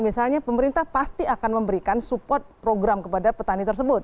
misalnya pemerintah pasti akan memberikan support program kepada petani tersebut